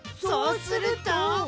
そうすると？